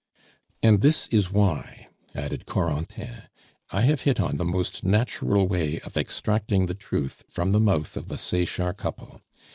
"And this is why," added Corentin; "I have hit on the most natural way of extracting the truth from the mouth of the Sechard couple.